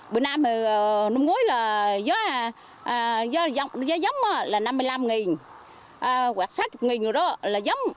bữa nay là gió giống là năm mươi năm nghìn